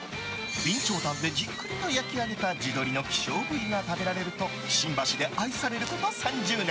備長炭でじっくりと焼き上げた地鶏の希少部位が食べられると新橋で愛されること３０年。